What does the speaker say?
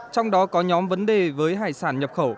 trong đó có nhóm vấn đề với hải sản nhập khẩu